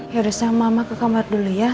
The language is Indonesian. yaudah saya mamah ke kamar dulu ya